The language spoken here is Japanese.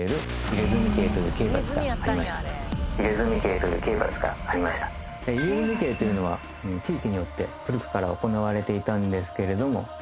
入墨刑というのは地域によって古くから行われていたんですけれども８